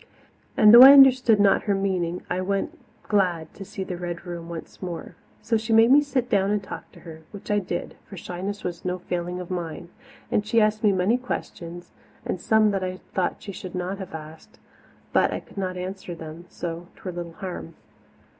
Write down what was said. And, though I understood not her meaning, I went, glad to see the Red Room once more. So she made me sit down and talk to her, which I did, for shyness was no failing of mine; and she asked me many questions, and some that I thought she should not have asked, but I could not answer them, so 'twere little harm.